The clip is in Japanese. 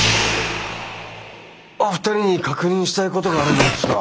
お二人に確認したいことがあるんですが。